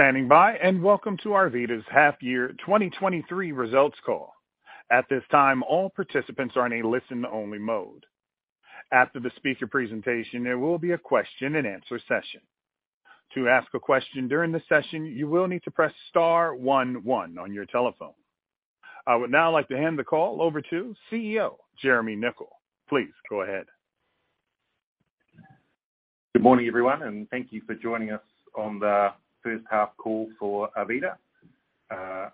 Standing by. Welcome to Arvida's half year 2023 results call. At this time, all participants are in a listen only mode. After the speaker presentation, there will be a question and answer session. To ask a question during the session, you will need to press star one one on your telephone. I would now like to hand the call over to CEO Jeremy Nicoll. Please go ahead. Good morning, everyone, thank you for joining us on the first half call for Arvida.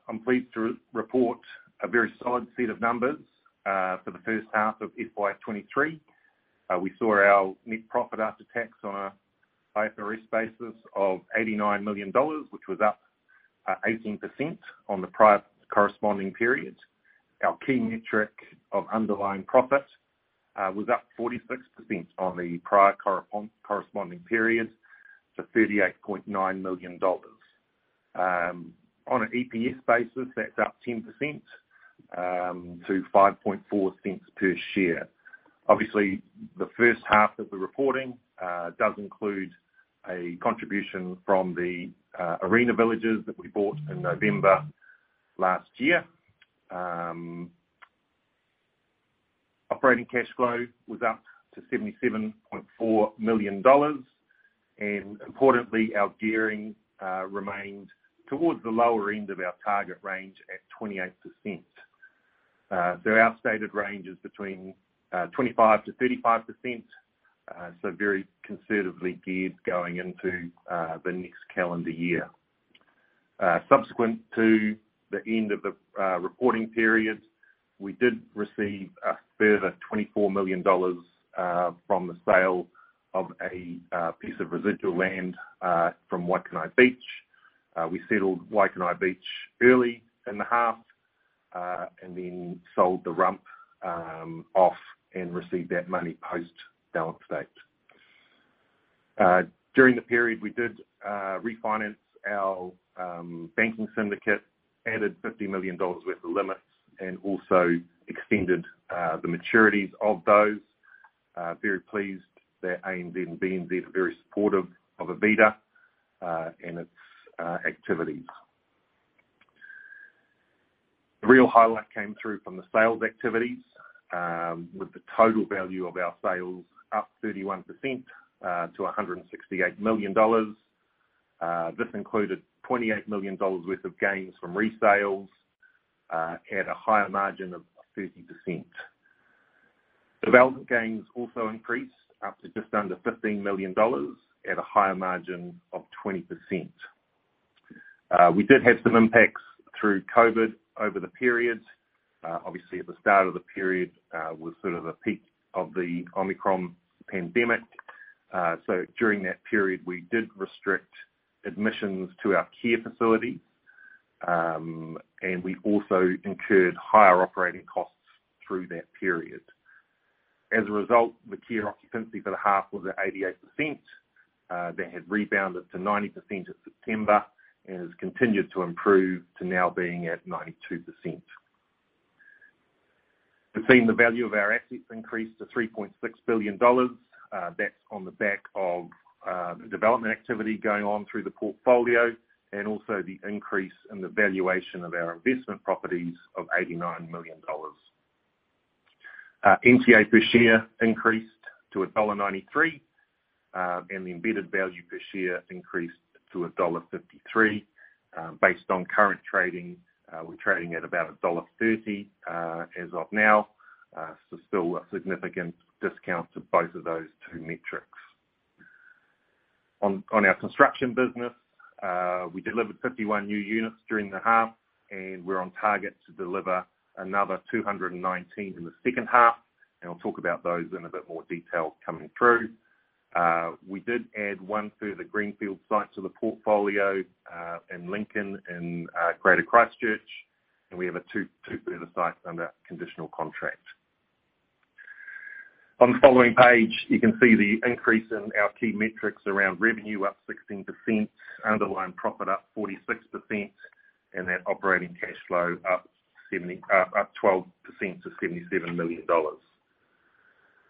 I'm pleased to report a very solid set of numbers for the first half of FY 2023. We saw our net profit after tax on a IFRS basis of 89 million dollars, which was up 18% on the prior corresponding period. Our key metric of underlying profit was up 46% on the prior corresponding period to 38.9 million dollars. On an EPS basis, that's up 10% to 0.054 per share. Obviously, the first half of the reporting does include a contribution from the Arena Living that we bought in November last year. Operating cash flow was up to 77.4 million dollars. Importantly, our gearing remained towards the lower end of our target range at 28%. Their outstated range is between 20%-35%, so very conservatively geared going into the next calendar year. Subsequent to the end of the reporting period, we did receive a further 24 million dollars from the sale of a piece of residual land from Waikanae Beach. We settled Waikanae Beach early in the half, and then sold the rump off and received that money post-balance date. During the period, we did refinance our banking syndicate, added 50 million dollars worth of limits, and also extended the maturities of those. Very pleased that ANZ and BNZ are very supportive of Arvida and its activities. The real highlight came through from the sales activities, with the total value of our sales up 31%, to 168 million dollars. This included 28 million dollars worth of gains from resales, at a higher margin of 30%. Development gains also increased up to just under 15 million dollars at a higher margin of 20%. We did have some impacts through COVID over the period. Obviously at the start of the period, was sort of a peak of the Omicron pandemic. During that period, we did restrict admissions to our care facility, and we also incurred higher operating costs through that period. As a result, the care occupancy for the half was at 88%. That has rebounded to 90% in September and has continued to improve to now being at 92%. We've seen the value of our assets increase to 3.6 billion dollars. That's on the back of the development activity going on through the portfolio and also the increase in the valuation of our investment properties of 89 million dollars. NTA per share increased to dollar 1.93, and the embedded value per share increased to dollar 1.53. Based on current trading, we're trading at about dollar 1.30 as of now. Still a significant discount to both of those two metrics. On our construction business, we delivered 51 new units during the half, and we're on target to deliver another 219 in the second half. I'll talk about those in a bit more detail coming through. We did add one further greenfield site to the portfolio in Lincoln in Greater Christchurch. We have two further sites under conditional contract. On the following page, you can see the increase in our key metrics around revenue up 16%, Underlying Profit up 46%, and that operating cash flow up 12% to 77 million dollars.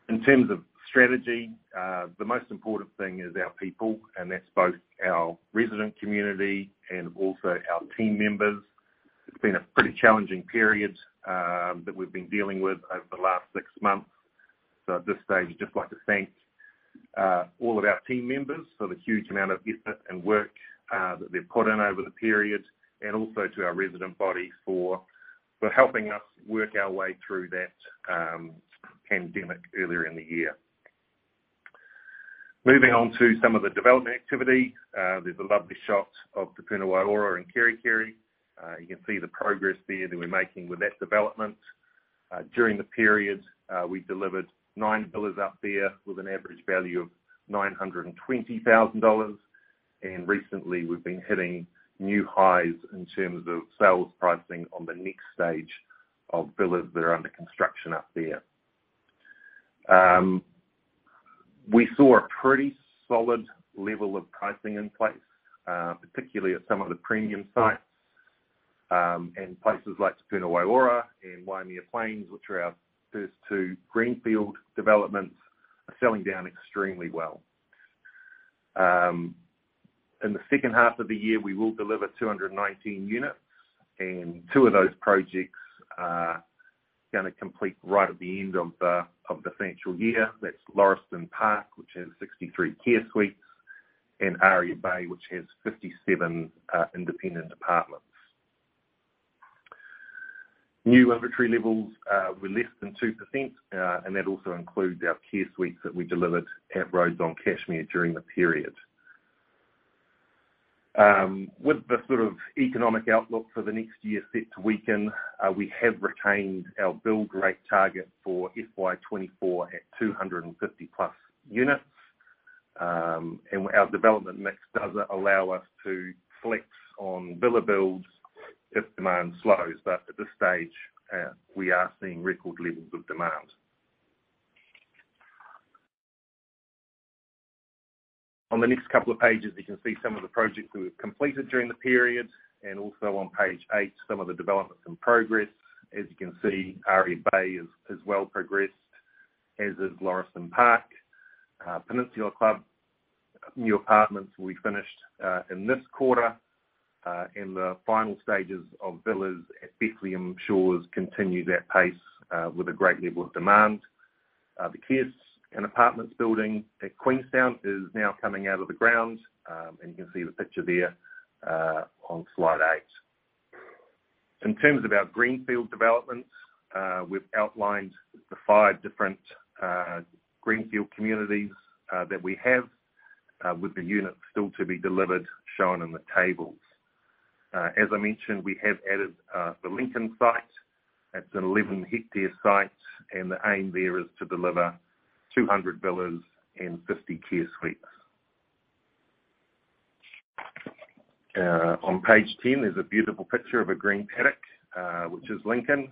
In terms of strategy, the most important thing is our people. That's both our resident community and also our team members. It's been a pretty challenging period that we've been dealing with over the last six months. At this stage, I'd just like to thank all of our team members for the huge amount of effort and work that they've put in over the period and also to our resident body for helping us work our way through that pandemic earlier in the year. Moving on to some of the development activity. There's a lovely shot of Te Puna Waiora in Kerikeri. You can see the progress there that we're making with that development. During the period, we delivered nine villas up there with an average value of 920,000 dollars. Recently we've been hitting new highs in terms of sales pricing on the next stage of villas that are under construction up there. We saw a pretty solid level of pricing in place, particularly at some of the premium sites. Places like Te Puna Waiora and Waimea Plains, which are our first two greenfield developments, are selling down extremely well. In the second half of the year, we will deliver 219 units, and two of those projects are gonna complete right at the end of the financial year. That's Lauriston Park, which has 63 care suites, and Aria Bay, which has 57 independent apartments. New inventory levels were less than 2%, and that also includes our care suites that we delivered at Rhodes on Cashmere during the period. With the sort of economic outlook for the next year set to weaken, we have retained our build rate target for FY 2024 at 250-plus units. Our development mix does allow us to flex on villa builds if demand slows. At this stage, we are seeing record levels of demand. On the next couple of pages, you can see some of the projects we have completed during the period and also on page 8, some of the developments in progress. As you can see, Aria Bay is well progressed, as is Lauriston Park. Peninsula Club, new apartments will be finished in this quarter. The final stages of villas at Bethlehem Shores continue that pace with a great level of demand. The care suites and apartments building at Queenstown is now coming out of the ground, and you can see the picture there on slide 8. In terms of our greenfield developments, we've outlined the 5 different greenfield communities that we have with the units still to be delivered, shown in the tables. As I mentioned, we have added the Lincoln site. That's an 11-hectare site, and the aim there is to deliver 200 villas and 50 care suites. On page 10 is a beautiful picture of a green paddock, which is Lincoln.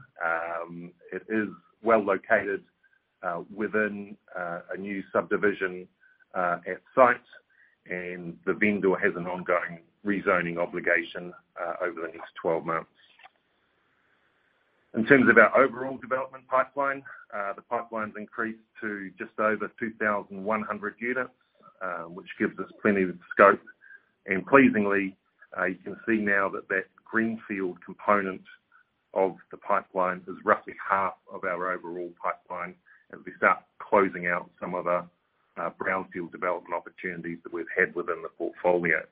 It is well located within a new subdivision at site, and the vendor has an ongoing rezoning obligation over the next 12 months. In terms of our overall development pipeline, the pipeline's increased to just over 2,100 units, which gives us plenty of scope. Pleasingly, you can see now that that greenfield component of the pipeline is roughly half of our overall pipeline as we start closing out some of our brownfield development opportunities that we've had within the portfolio.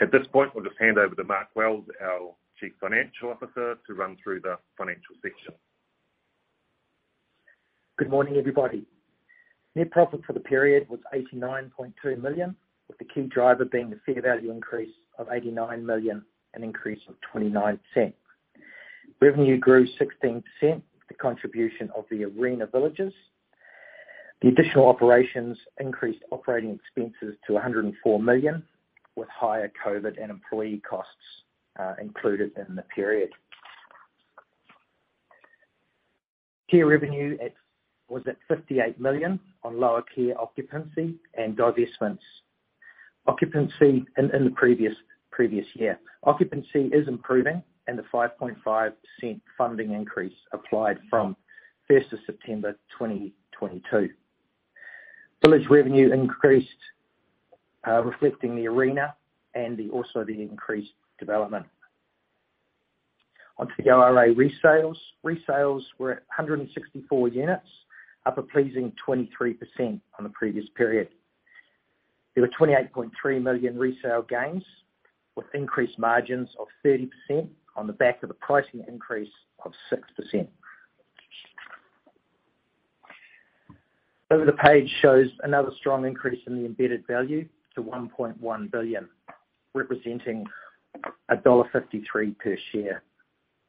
At this point, I'll just hand over to Mark Wells, our Chief Financial Officer, to run through the financial section. Good morning, everybody. Net profit for the period was 89.2 million, with the key driver being the fair value increase of 89 million, an increase of 29%. Revenue grew 16% with the contribution of the Arena Living. The additional operations increased operating expenses to 104 million, with higher COVID and employee costs included in the period. Care revenue was at 58 million on lower care occupancy and divestments. In the previous year. Occupancy is improving and the 5.5% funding increase applied from September 20, 2022. Village revenue increased, reflecting the Arena and also the increased development. Onto the ORA resales. Resales were at 164 units, up a pleasing 23% on the previous period. There were 28.3 million resale gains with increased margins of 30% on the back of a pricing increase of 6%. Over the page shows another strong increase in the embedded value to 1.1 billion, representing dollar 1.53 per share.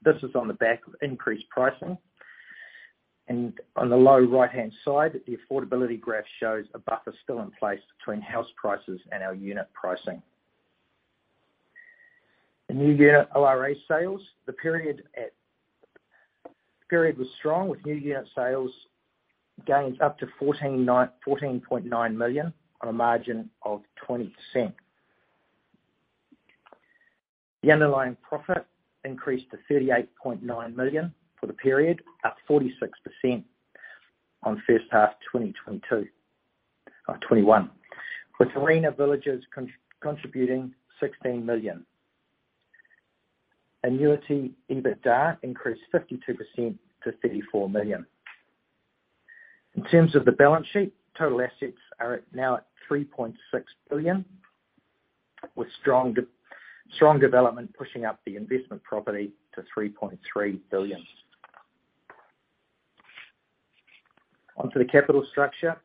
This is on the back of increased pricing. On the lower right-hand side, the affordability graph shows a buffer still in place between house prices and our unit pricing. The new unit ORA sales. The period was strong with new unit sales gains up to 14.9 million on a margin of 20%. The underlying profit increased to 38.9 million for the period, up 46% on first half 2021, with Arena Living contributing 16 million. Annuity EBITDA increased 52% to 34 million. In terms of the balance sheet, total assets are now at 3.6 billion, with strong development pushing up the investment property to 3.3 billion. Onto the capital structure.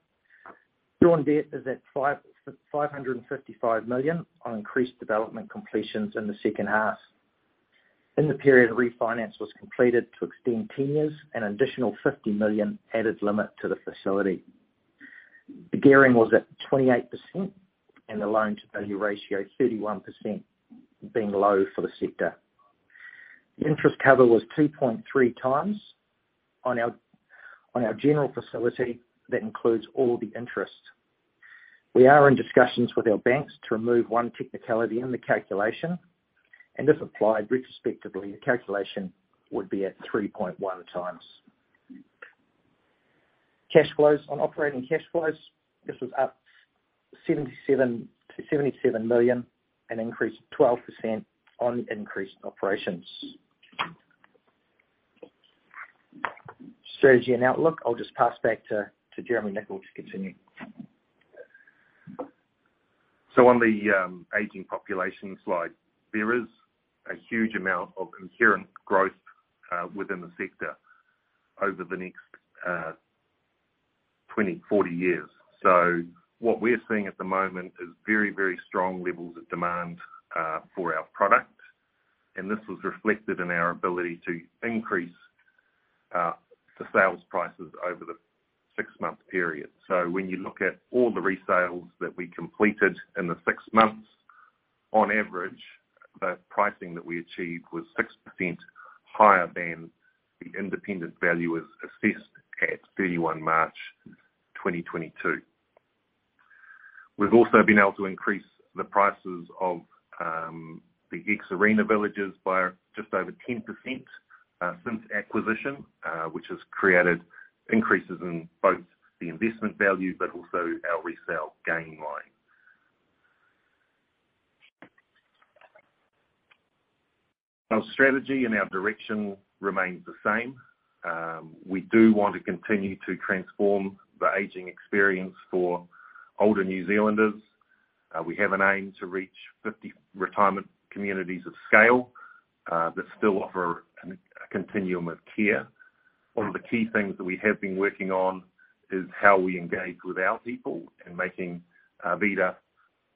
Drawing debt is at 555 million on increased development completions in the second half. In the period, refinance was completed to extend tenures, an additional 50 million added limit to the facility. The gearing was at 28% and the loan-to-value ratio 31%, being low for the sector. Interest cover was 2.3 times on our general facility. That includes all the interest. We are in discussions with our banks to remove one technicality in the calculation, and if applied retrospectively, the calculation would be at 3.1 times. Cash flows. On operating cash flows, this was up 77 million, an increase of 12% on increased operations. Strategy and outlook, I'll just pass back to Jeremy Nicoll to continue. On the aging population slide, there is a huge amount of inherent growth within the sector over the next 20, 40 years. What we're seeing at the moment is very, very strong levels of demand for our product, and this was reflected in our ability to increase the sales prices over the six-month period. When you look at all the resales that we completed in the six months, on average, the pricing that we achieved was 6% higher than the independent value as assessed at March 31, 2022. We've also been able to increase the prices of the ex-Arena villages by just over 10% since acquisition, which has created increases in both the investment value but also our resale gain line. Our strategy and our direction remains the same. We do want to continue to transform the aging experience for older New Zealanders. We have an aim to reach 50 retirement communities of scale that still offer a continuum of care. One of the key things that we have been working on is how we engage with our people in making Arvida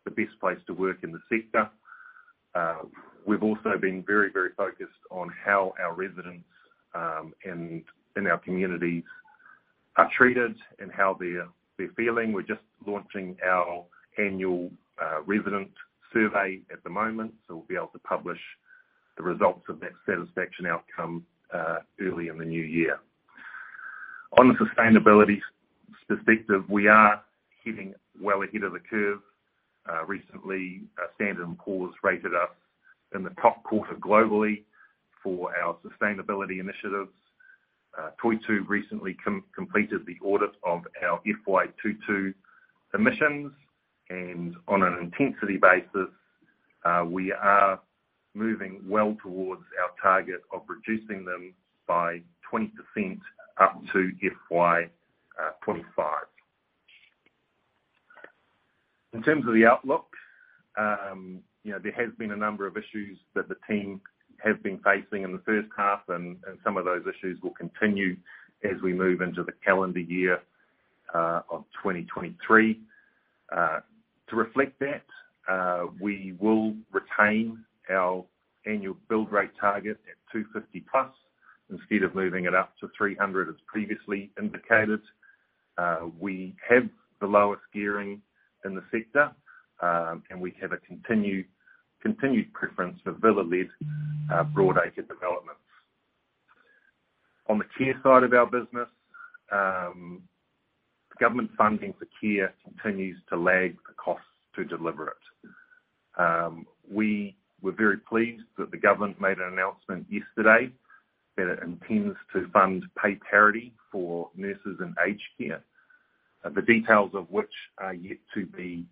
the best place to work in the sector. We've also been very focused on how our residents in our communities are treated and how they're feeling. We're just launching our annual resident survey at the moment. We'll be able to publish the results of that satisfaction outcome early in the new year. On the sustainability perspective, we are heading well ahead of the curve. Recently, Standard & Poor's rated us in the top quarter globally for our sustainability initiatives. Toitū recently completed the audit of our FY 2022 emissions. On an intensity basis, we are moving well towards our target of reducing them by 20% up to FY 2025. In terms of the outlook, you know, there has been a number of issues that the team have been facing in the first half and some of those issues will continue as we move into the calendar year of 2023. To reflect that, we will retain our annual build rate target at 250+ instead of moving it up to 300 as previously indicated. We have the lowest gearing in the sector, and we have a continued preference for villa-led, broad acre developments. On the care side of our business, government funding for care continues to lag the costs to deliver it. We were very pleased that the government made an announcement yesterday that it intends to fund pay parity for nurses in aged care, the details of which are yet to be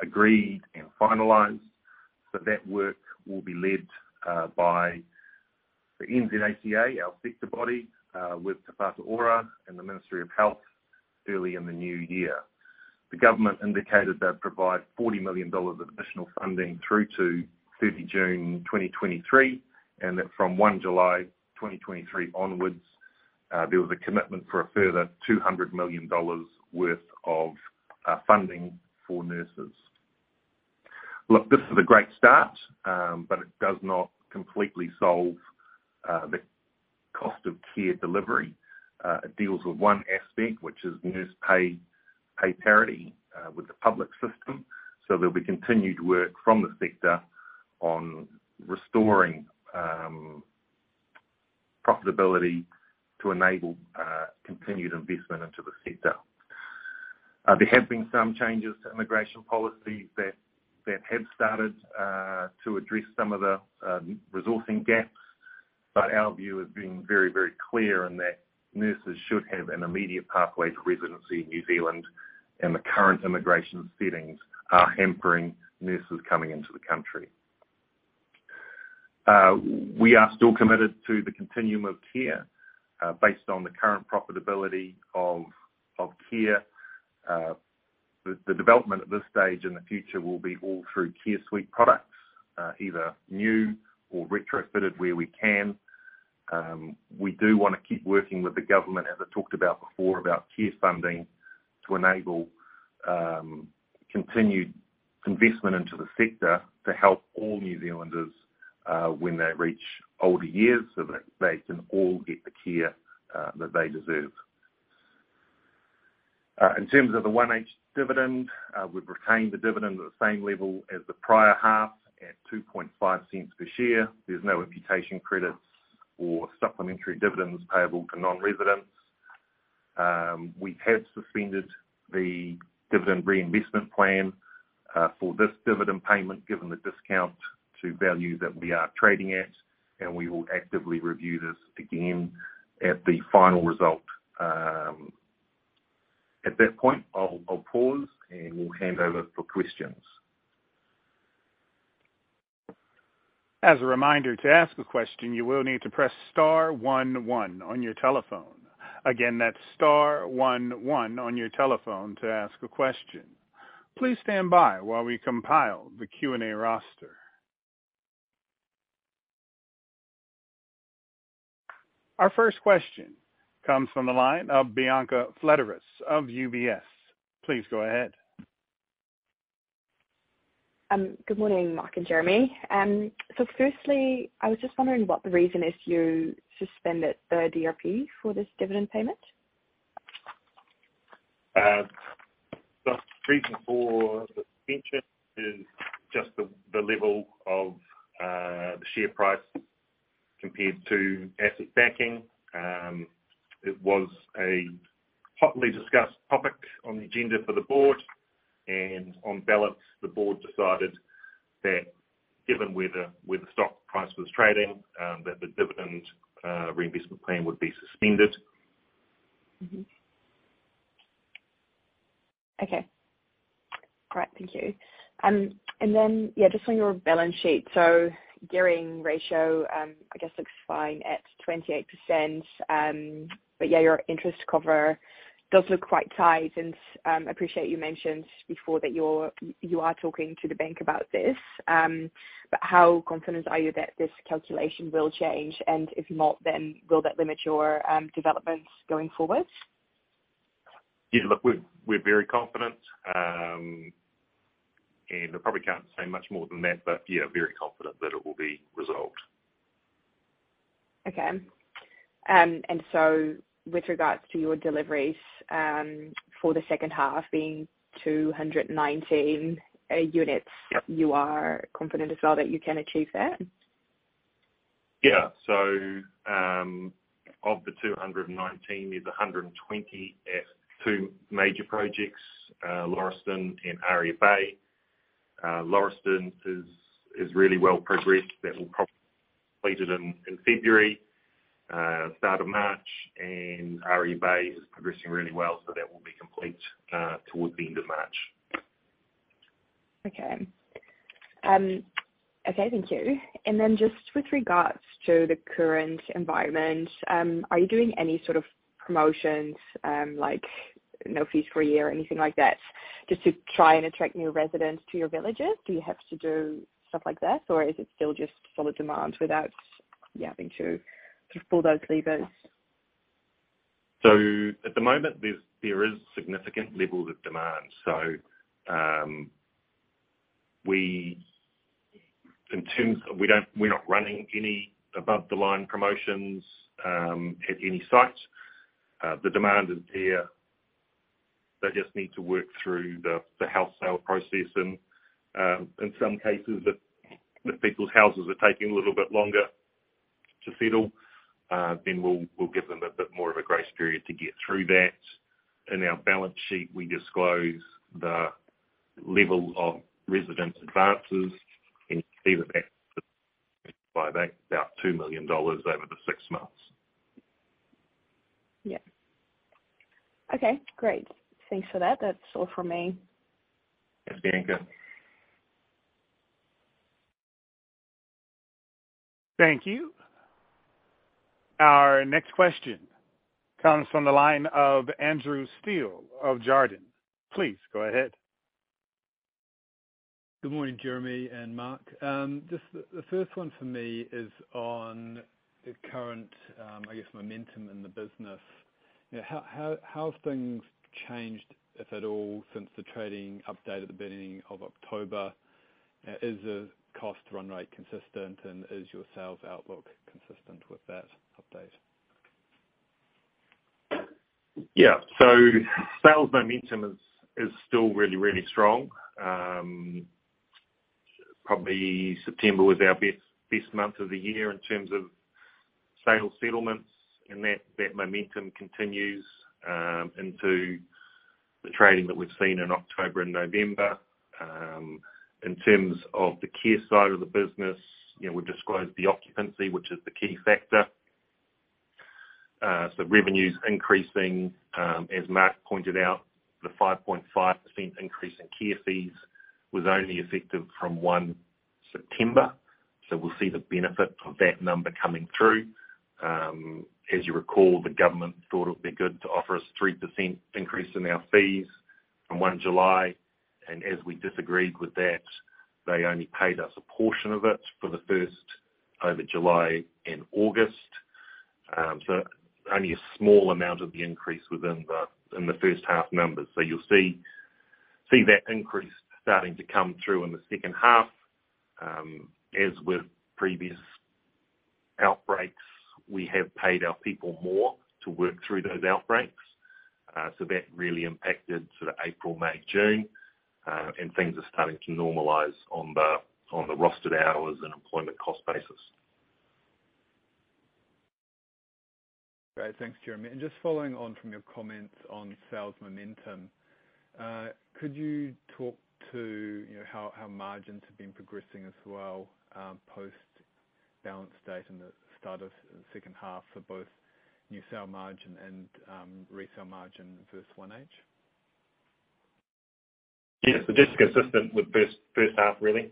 agreed and finalized. That work will be led by the NZACA, our sector body, with Te Whatu Ora and the Ministry of Health early in the new year. The government indicated they'll provide 40 million dollars of additional funding through to June 30, 2023, from July 1, 2023 onwards, there was a commitment for a further 200 million dollars worth of funding for nurses. Look, this is a great start, it does not completely solve the cost of care delivery. It deals with one aspect, which is nurse pay parity with the public system. There'll be continued work from the sector on restoring profitability to enable continued investment into the sector. There have been some changes to immigration policies that have started to address some of the resourcing gaps. Our view has been very, very clear in that nurses should have an immediate pathway to residency in New Zealand, and the current immigration settings are hampering nurses coming into the country. We are still committed to the continuum of care, based on the current profitability of care. The development at this stage in the future will be all through Care Suite products, either new or retrofitted where we can. We do wanna keep working with the government, as I talked about before, about care funding to enable continued investment into the sector to help all New Zealanders when they reach older years so that they can all get the care that they deserve. In terms of the 1H dividend, we've retained the dividend at the same level as the prior half at 0.025 per share. There's no imputation credits or supplementary dividends payable to non-residents. We have suspended the Dividend Reinvestment Plan for this dividend payment, given the discount to value that we are trading at, and we will actively review this again at the final result. At that point, I'll pause, and we'll hand over for questions. As a reminder, to ask a question, you will need to press star one one on your telephone. That's star one one on your telephone to ask a question. Please stand by while we compile the Q&A roster. Our first question comes from the line of Bianca Fledderus of UBS. Please go ahead. Good morning, Mark and Jeremy. Firstly, I was just wondering what the reason is you suspended the DRP for this dividend payment? The reason for the suspension is just the level of the share price compared to asset backing. It was a hotly discussed topic on the agenda for the board. On ballot, the board decided that given where the stock price was trading, that the Dividend Reinvestment Plan would be suspended. Okay. All right, thank you. Just on your balance sheet. Gearing ratio, I guess, looks fine at 28%. Your interest cover does look quite tight. Appreciate you mentioned before that you are talking to the bank about this. How confident are you that this calculation will change? If not, will that limit your developments going forward? Yeah, look, we're very confident. I probably can't say much more than that. Yeah, very confident that it will be resolved. Okay. With regards to your deliveries, for the second half being 219 units- Yep. You are confident as well that you can achieve that? Of the 219 is 120 at two major projects, Lauriston and Aria Bay. Lauriston is really well progressed. That will probably be completed in February, start of March. Aria Bay is progressing really well, so that will be complete towards the end of March. Okay. Okay, thank you. Then just with regards to the current environment, are you doing any sort of promotions, like no fees for a year or anything like that, just to try and attract new residents to your villages? Do you have to do stuff like that, or is it still just solid demand without you having to pull those levers? At the moment, there is significant levels of demand. We're not running any above-the-line promotions at any site. The demand is there. They just need to work through the house sale process and in some cases the people's houses are taking a little bit longer to settle. We'll give them a bit more of a grace period to get through that. In our balance sheet, we disclose the level of Resident loans, and you can see that's by about 2 million dollars over the six months. Yeah. Okay, great. Thanks for that. That's all from me. Thanks, Bianca. Thank you. Our next question comes from the line of Andrew Steele of Jarden. Please go ahead. Good morning, Jeremy and Mark. Just the first one for me is on the current, I guess, momentum in the business. You know, how have things changed, if at all, since the trading update at the beginning of October? Is the cost run rate consistent, and is your sales outlook consistent with that update? Sales momentum is still really, really strong. Probably September was our best month of the year in terms of sales settlements, and that momentum continues into the trading that we've seen in October and November. In terms of the care side of the business, you know, we've described the occupancy, which is the key factor. Revenue's increasing. As Mark pointed out, the 5.5 increase in care fees was only effective from September 1, so we'll see the benefit of that number coming through. As you recall, the government thought it would be good to offer us 3% increase in our fees from July 1, and as we disagreed with that, they only paid us a portion of it for the July 1st and August. Only a small amount of the increase within the, in the first half numbers. You'll see that increase starting to come through in the second half, as with previous outbreaks, we have paid our people more to work through those outbreaks. That really impacted sort of April, May, June, and things are starting to normalize on the, on the rostered hours and employment cost basis. Great. Thanks, Jeremy. Just following on from your comments on sales momentum, could you talk to, you know, how margins have been progressing as well, post balance date and the start of the second half for both new sale margin and resale margin versus 1H? Yeah. Just consistent with first half, really.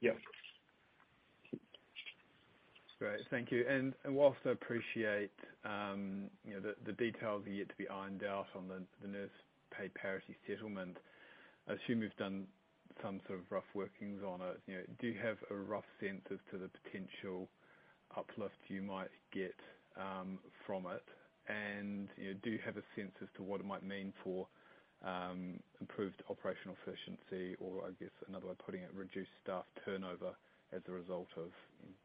Yeah. Great. Thank you. And whilst I appreciate, you know, the details are yet to be ironed out on the nurse pay parity settlement, I assume you've done some sort of rough workings on it. You know, do you have a rough sense as to the potential uplift you might get, from it? You know, do you have a sense as to what it might mean for, improved operational efficiency? Or I guess another way of putting it, reduced staff turnover as a result of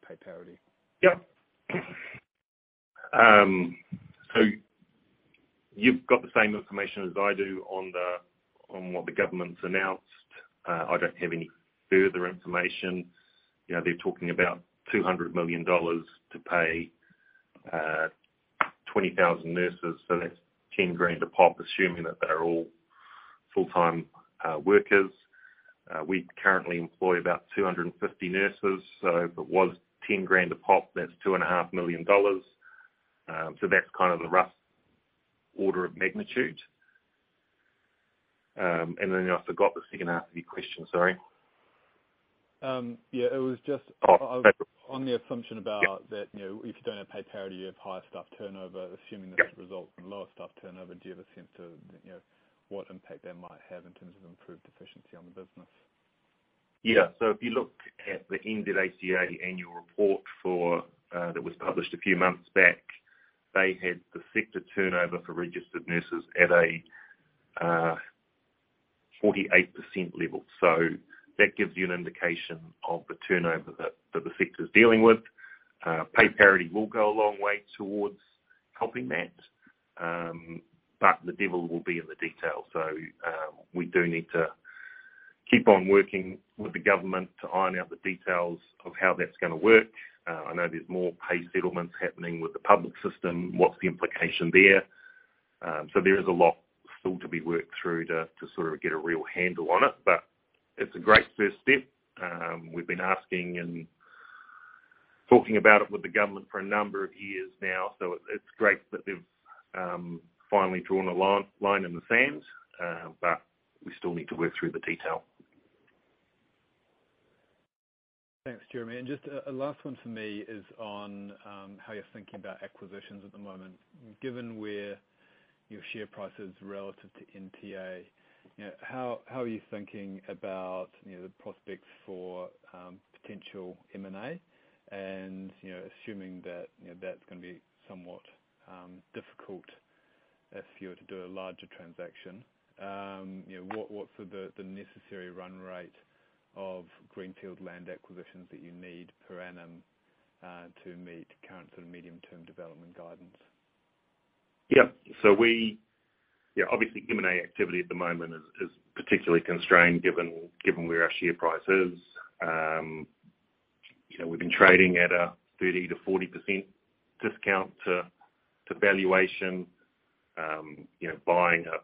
pay parity. Yep. You've got the same information as I do on what the government's announced. I don't have any further information. You know, they're talking about 200 million dollars to pay 20,000 nurses, so that's 10,000 a pop, assuming that they're all full-time workers. We currently employ about 250 nurses, so if it was 10,000 a pop, that's 2.5 million dollars. That's kind of the rough order of magnitude. I forgot the second half of your question. Sorry. Yeah, it was Oh. On the assumption. Yeah. You know, if you don't have pay parity, you have higher staff turnover. Yeah. Assuming that this results in lower staff turnover, do you have a sense to, you know, what impact that might have in terms of improved efficiency on the business? If you look at the NZACA annual report for that was published a few months back, they had the sector turnover for registered nurses at a 48% level. That gives you an indication of the turnover that the sector's dealing with. Pay parity will go a long way towards helping that. The devil will be in the detail. We do need to keep on working with the government to iron out the details of how that's gonna work. There's more pay settlements happening with the public system. What's the implication there? There is a lot still to be worked through to sort of get a real handle on it, but it's a great first step. We've been asking and talking about it with the government for a number of years now. It's great that they've finally drawn a line in the sand. We still need to work through the detail. Thanks, Jeremy. And just a last one for me is on how you're thinking about acquisitions at the moment. Given where your share price is relative to NTA, you know, how are you thinking about, you know, the prospects for potential M&A and, you know, assuming that, you know, that's gonna be somewhat difficult if you were to do a larger transaction? You know, what's the necessary run rate of greenfield land acquisitions that you need per annum to meet current sort of medium-term development guidance? Yeah. We, yeah, obviously M&A activity at the moment is particularly constrained given where our share price is. You know, we've been trading at a 30%-40% discount to valuation. You know, buying a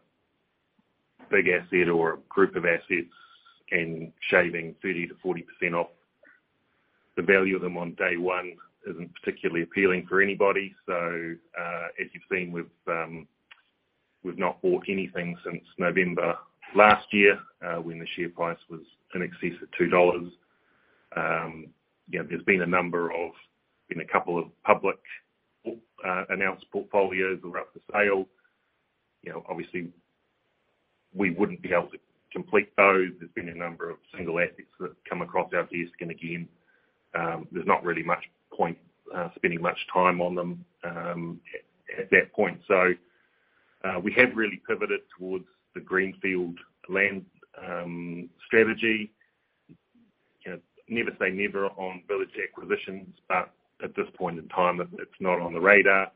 big asset or a group of assets and shaving 30%-40% off the value of them on day one isn't particularly appealing for anybody. As you've seen, we've not bought anything since November last year, when the share price was in excess of 2 dollars. You know, there's been a number of, been a couple of public, announced portfolios that were up for sale. You know, obviously we wouldn't be able to complete those. There's been a number of single assets that come across our desk, and again, there's not really much point spending much time on them at that point. We have really pivoted towards the greenfield land strategy. You know, never say never on village acquisitions, but at this point in time, it's not on the radar.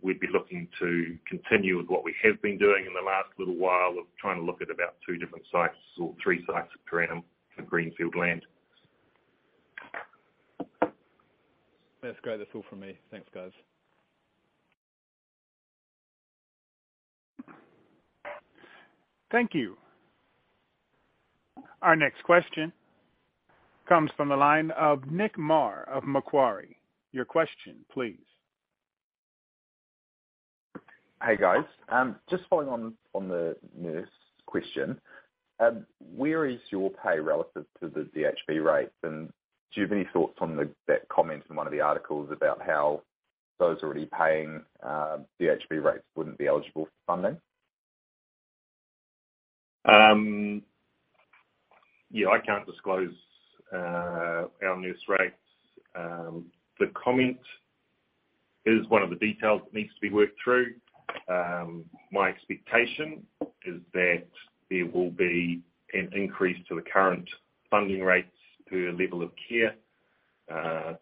We'd be looking to continue with what we have been doing in the last little while of trying to look at about two different sites or three sites per annum for greenfield land. That's great. That's all from me. Thanks, guys. Thank you. Our next question comes from the line of Nick Marr of Macquarie. Your question please. Hey, guys. Just following on the nurse question. Where is your pay relative to the DHB rates? Do you have any thoughts on the, that comment from one of the articles about how those already paying, DHB rates wouldn't be eligible for funding? Yeah, I can't disclose, our nurse rates. The comment is one of the details that needs to be worked through. My expectation is that there will be an increase to the current funding rates per level of care,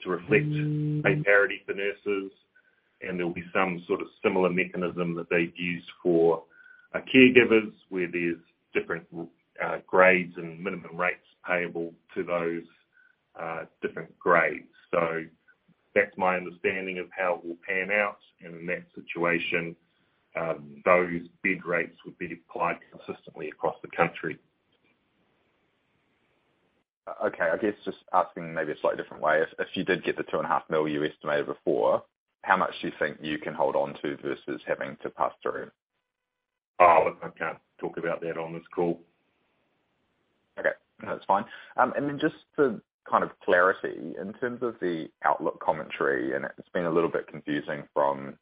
to reflect pay parity for nurses, and there'll be some sort of similar mechanism that they've used for, caregivers where there's different, grades and minimum rates payable to those, different grades. That's my understanding of how it will pan out. In the next situation, those DHB rates would be applied consistently across the country. Okay. I guess just asking maybe a slightly different way. If you did get the two and a half mil you estimated before, how much do you think you can hold on to versus having to pass through? Oh, I can't talk about that on this call. Okay. No, that's fine. Then just for kind of clarity, in terms of the outlook commentary, and it's been a little bit confusing from,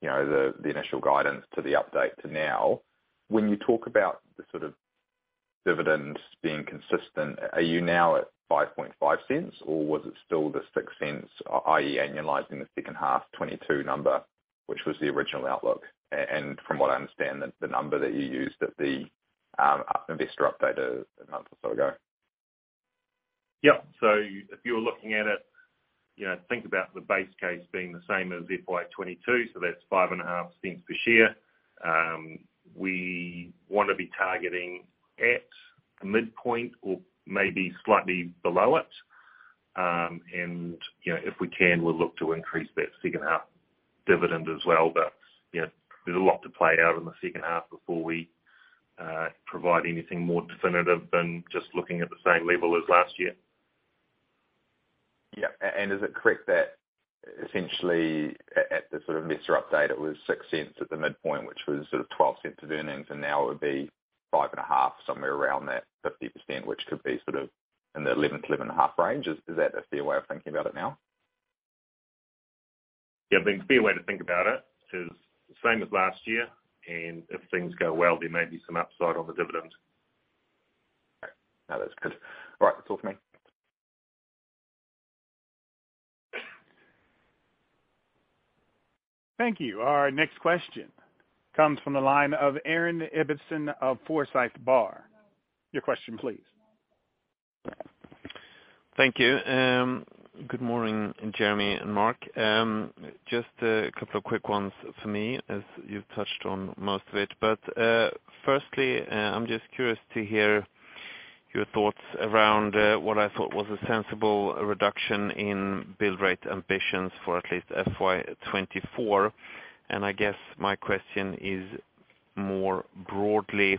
you know, the initial guidance to the update to now, when you talk about the sort of dividends being consistent, are you now at 0.055 or was it still the 0.06, i.e. annualizing the second half 2022 number, which was the original outlook? From what I understand, the number that you used at the investor update a month or so ago. Yeah. If you're looking at it, you know, think about the base case being the same as FY 2022, so that's five and a half cents per share. We wanna be targeting at the midpoint or maybe slightly below it. You know, if we can, we'll look to increase that second half dividend as well. You know, there's a lot to play out in the second half before we provide anything more definitive than just looking at the same level as last year. Yeah. Is it correct that essentially at the sort of investor update, it was 0.06 at the midpoint, which was sort of 0.12 of earnings, and now it would be 0.055, somewhere around that 50%, which could be sort of in the 0.11-0.115 range. Is that a fair way of thinking about it now? Yeah. The fair way to think about it is the same as last year, and if things go well, there may be some upside on the dividend. No, that's good. All right. That's all for me. Thank you. Our next question comes from the line of Aaron Ibbotson of Forsyth Barr. Your question please. Thank you. Good morning, Jeremy and Mark. Just a couple of quick ones for me, as you've touched on most of it. Firstly, I'm just curious to hear your thoughts around what I thought was a sensible reduction in build rate ambitions for at least FY 2024. I guess my question is more broadly,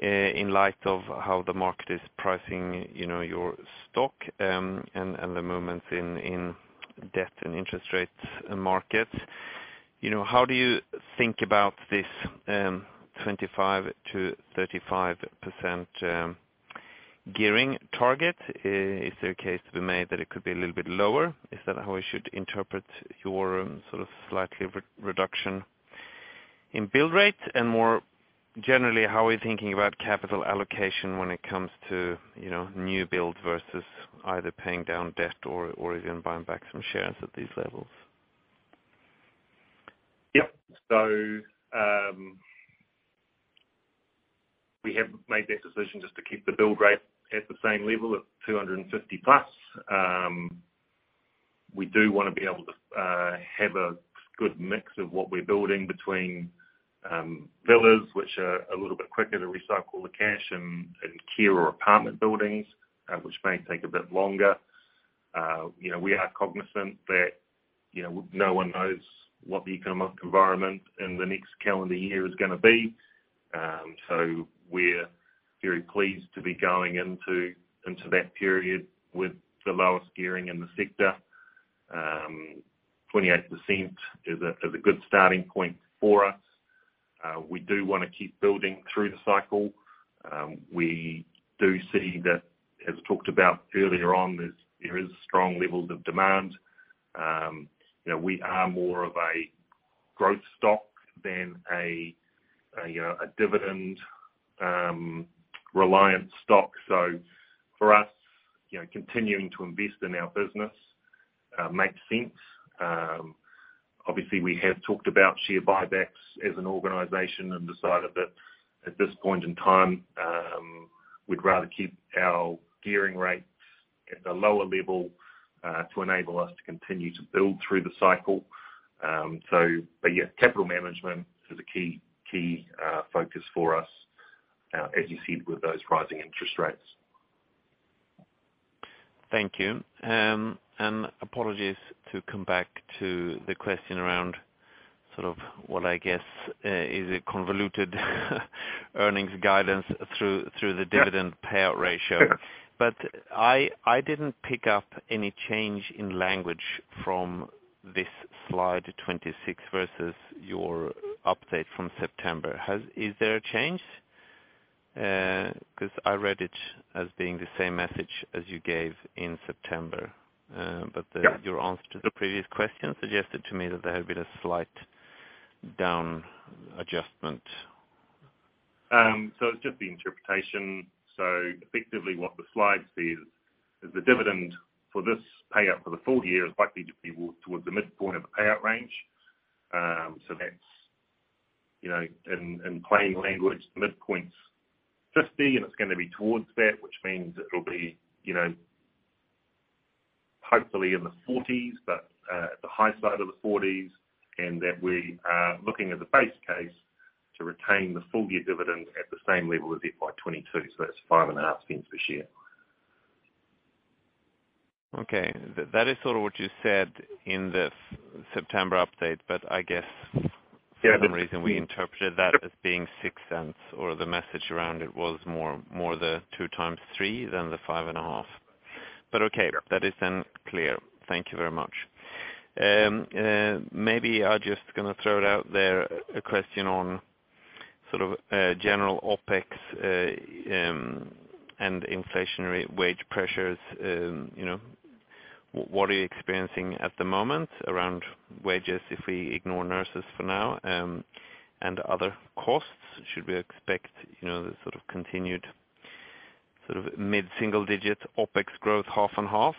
in light of how the market is pricing, you know, your stock, the movements in debt and interest rates markets? You know, how do you think about this 25%-35% gearing target? Is there a case to be made that it could be a little bit lower? Is that how we should interpret your sort of slightly re-reduction in build rates? More generally, how are you thinking about capital allocation when it comes to, you know, new builds versus either paying down debt or even buying back some shares at these levels? Yep. We have made that decision just to keep the build rate at the same level of 250+. We do wanna be able to have a good mix of what we're building between builders, which are a little bit quicker to recycle the cash in care or apartment buildings, which may take a bit longer. You know, we are cognizant that, you know, no one knows what the economic environment in the next calendar year is gonna be. We're very pleased to be going into that period with the lowest gearing in the sector. 28% is a good starting point for us. We do wanna keep building through the cycle. We do see that, as talked about earlier on, there is strong levels of demand. You know, we are more of a growth stock than a, you know, a dividend reliant stock. For us, you know, continuing to invest in our business makes sense. Obviously we have talked about share buybacks as an organization and decided that at this point in time, we'd rather keep our gearing rates at a lower level to enable us to continue to build through the cycle. But yeah, capital management is a key focus for us as you see with those rising interest rates. Thank you. Apologies to come back to the question around sort of what I guess, is a convoluted earnings guidance through. Yeah. Dividend payout ratio. Sure. I didn't pick up any change in language from this slide 26 versus your update from September. Is there a change? 'Cause I read it as being the same message as you gave in September. Yeah. Your answer to the previous question suggested to me that there had been a slight down adjustment. It's just the interpretation. Effectively, what the slide says is the dividend for this payout for the full year is likely to be towards the midpoint of the payout range. That's, you know, in plain language, the midpoint's 50, and it's gonna be towards that, which means it'll be, you know, hopefully in the 40s, but at the high side of the 40s, and that we are looking at the base case to retain the full year dividend at the same level as FY 2022. That's 0.055 per share. Okay. That is sort of what you said in the September update. I guess- Yeah. For some reason we interpreted that as being 0.06 or the message around it was more the 2 times three than 0.055. Okay. Yeah. That is then clear. Thank you very much. Maybe I'll just gonna throw it out there, a question on sort of general OpEx and inflationary wage pressures. You know, what are you experiencing at the moment around wages if we ignore nurses for now and other costs? Should we expect, you know, the sort of continued sort of mid-single digit OpEx growth half and half,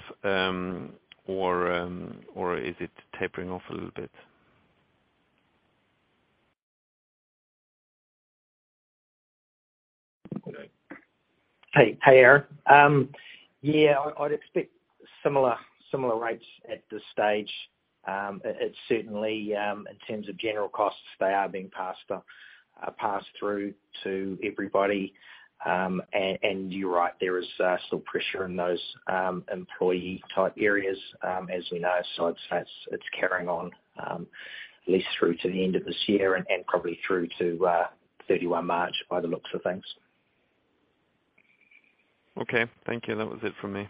or is it tapering off a little bit? Okay. Hey. Hey, Aaron. Yeah, I'd expect similar rates at this stage. It's certainly, in terms of general costs, they are being passed through to everybody. And you're right, there is still pressure in those employee type areas, as we know. So I'd say it's carrying on, at least through to the end of this year and probably through to March 31 by the looks of things. Okay. Thank you. That was it for me.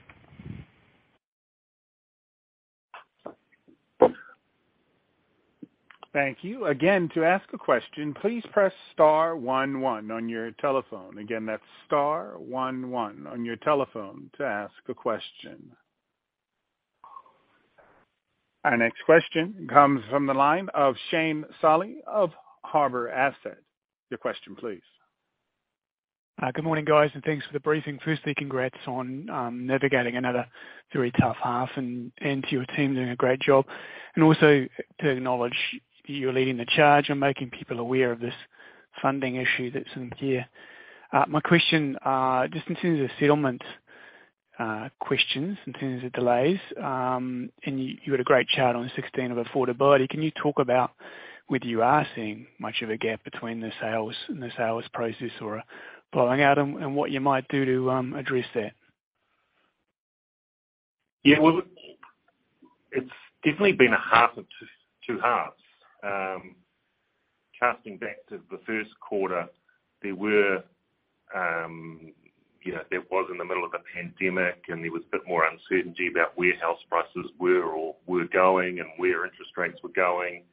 Thank you. Again, to ask a question, please press star 11 on your telephone. Again, that's star 11 on your telephone to ask a question. Our next question comes from the line of Shane Solly of Harbour Asset. Your question please. Good morning, guys, and thanks for the briefing. Firstly, congrats on navigating another very tough half, and to your team doing a great job. Also to acknowledge you're leading the charge and making people aware of this funding issue that's in gear. My question, just in terms of settlement, questions, in terms of delays, and you had a great chart on the 16 of affordability. Can you talk about whether you are seeing much of a gap between the sales and the sales process or blowing out and what you might do to address that? Well, it's definitely been a half of two halves. Casting back to the first quarter, there were, you know, that was in the middle of the pandemic, and there was a bit more uncertainty about where house prices were or were going and where interest rates were going.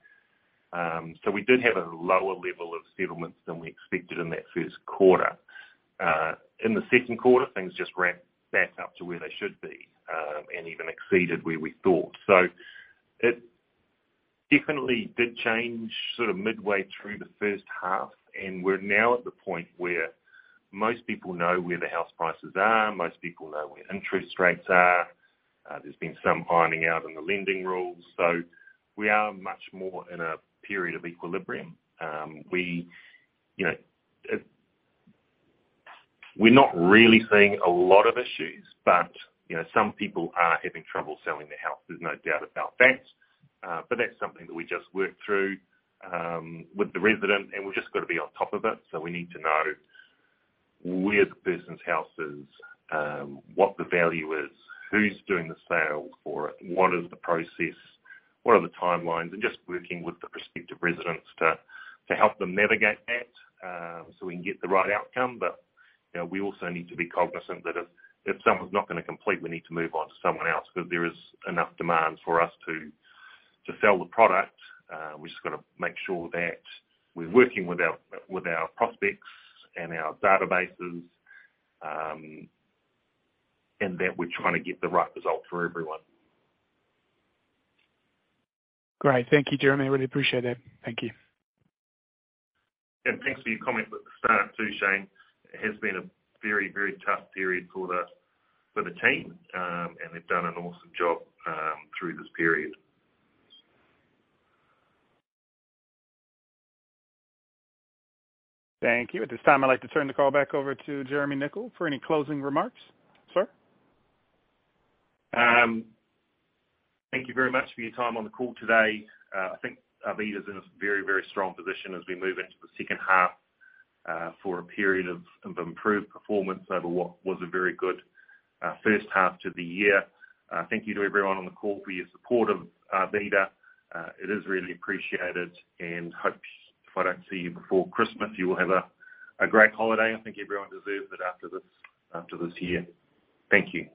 We did have a lower level of settlements than we expected in that first quarter. In the second quarter, things just ramped back up to where they should be, and even exceeded where we thought. It definitely did change sort of midway through the first half, and we're now at the point where most people know where the house prices are, most people know where interest rates are. There's been some ironing out on the lending rules. We are much more in a period of equilibrium. We, you know... We're not really seeing a lot of issues, but, you know, some people are having trouble selling their house. There's no doubt about that. That's something that we just work through with the resident, and we've just got to be on top of it. We need to know where the person's house is, what the value is, who's doing the sale for it, what is the process, what are the timelines, and just working with the prospective residents to help them navigate that, so we can get the right outcome. You know, we also need to be cognizant that if someone's not gonna complete, we need to move on to someone else because there is enough demand for us to sell the product. We just gotta make sure that we're working with our, with our prospects and our databases, and that we're trying to get the right result for everyone. Great. Thank you, Jeremy. I really appreciate it. Thank you. Thanks for your comment at the start too, Shane. It has been a very, very tough period for the team, and they've done an awesome job, through this period. Thank you. At this time, I'd like to turn the call back over to Jeremy Nicoll for any closing remarks. Sir? Thank you very much for your time on the call today. I think Arvida's in a very, very strong position as we move into the second half for a period of improved performance over what was a very good first half to the year. Thank you to everyone on the call for your support of Arvida. It is really appreciated and hope if I don't see you before Christmas, you will have a great holiday. I think everyone deserves it after this year. Thank you.